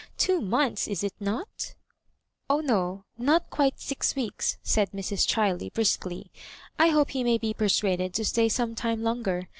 Two months is it not?" *'0h no — ^not quite six weeks," said Mra Chiley, briskly. " I hope he may be persuaded to stay some time longer.